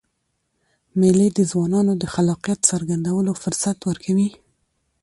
مېلې د ځوانانو د خلاقیت څرګندولو فرصت ورکوي.